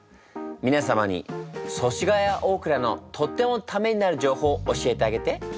皆様に祖師ヶ谷大蔵のとってもタメになる情報を教えてあげて。